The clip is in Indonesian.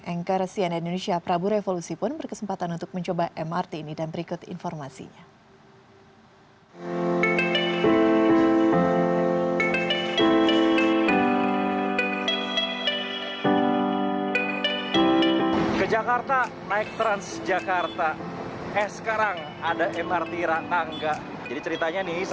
engker siania indonesia prabu revolusi pun berkesempatan untuk mencoba mrt ini dan berikut informasinya